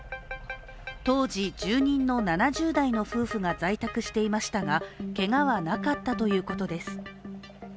当時住人の７０代の夫婦が在宅していましたがけがはなかったということです。